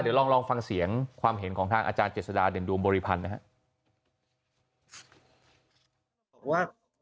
เดี๋ยวลองฟังเสียงความเห็นของทางอาจารย์เจษฎาเด่นดวงบริพันธ์นะครับ